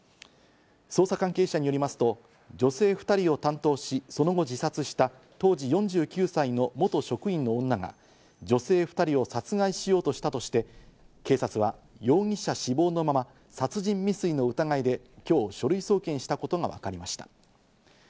捜査関係者によりますと、女性２人を担当し、その後自殺した当時４９歳の元職員の女が女性２人を殺害しようとしたとして、警察は容疑者死亡のまま、殺人未遂の疑いで今日、書類送検したことがわかりました。